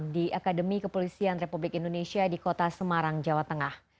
di akademi kepolisian republik indonesia di kota semarang jawa tengah